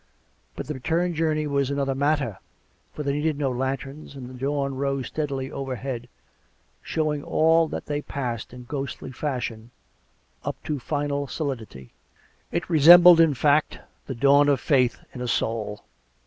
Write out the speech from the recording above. But the return journey was another matter; for they needed no lanterns, and the dawn rose steadily overhead, showing all that they passed in ghosrtly fashion, up to final solidity. It resembled, in fact, the dawn of Faith in a soul.